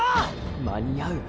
「間に合う」？